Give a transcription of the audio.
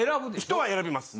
人は選びます。